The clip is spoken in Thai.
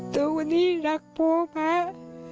ลูกคนนี้รักพ่อมาก